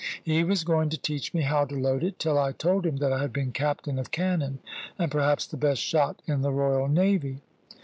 He was going to teach me how to load it, till I told him that I had been captain of cannon, and perhaps the best shot in the royal navy.